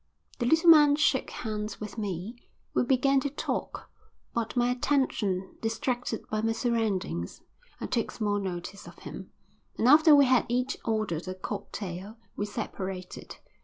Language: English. The little man shook hands with me. We began to talk, but, my attention distracted by my surroundings, I took small notice of him, and after we had each ordered a cocktail we separated.